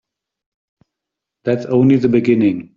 That's only the beginning.